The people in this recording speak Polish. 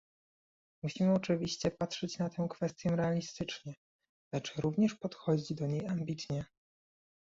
Musimy oczywiście patrzeć na tę kwestię realistycznie, lecz również podchodzić do niej ambitnie